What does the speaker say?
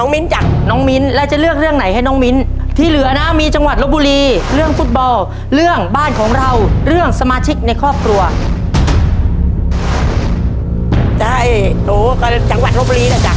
เร็วลูกเร็วเวลามานะครับ